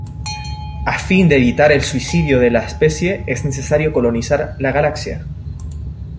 A fin de evitar el suicidio de la especie es necesario colonizar la Galaxia.